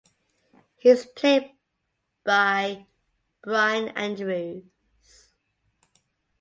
He is played by Brian Andrews.